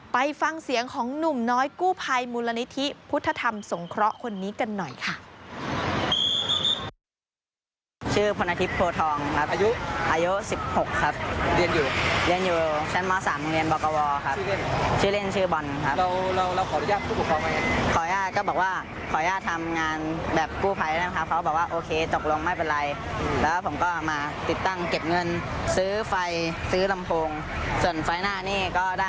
ไปฟังเสียงของหนุ่มน้อยกู้ภัยมูลนิธิพุทธธรรมสงเคราะห์คนนี้กันหน่อยค่ะ